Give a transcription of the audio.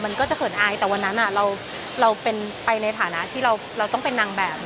มันก็จะเขินอายแต่วันนั้นเราเป็นไปในฐานะที่เราต้องเป็นนางแบบ